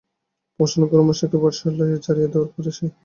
প্রসন্ন গুরুমশায়ের পাঠশালা ছাড়িয়া দেওয়ার পরে-সে।